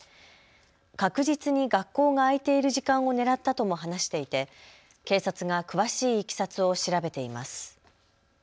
確実に学校が開いている時間を狙ったとも話していて警察が詳しいいきさつを調べています。